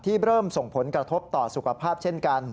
เริ่มส่งผลกระทบต่อสุขภาพเช่นกัน